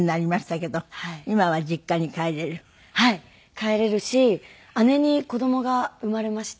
帰れるし姉に子供が生まれまして。